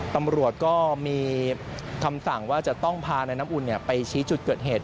ตำรวจก็มีคำสั่งว่าจะต้องพาในน้ำอุ่นไปชี้จุดเกิดเหตุ